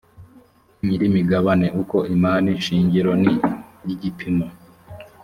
nyirimigabane uko imari shingiro ni igipimo